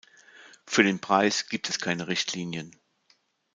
Für den Preis gibt es keine Richtlinien.